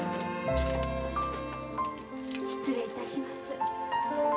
失礼いたします。